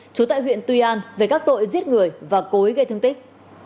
trú tại huyện tuy an về các tội giết người và cối gây thương tích